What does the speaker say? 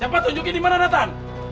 cepet tunjukin dimana nathan